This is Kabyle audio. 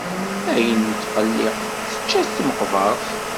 Ayen nettqellib, tečča-t tmeqbeṛt.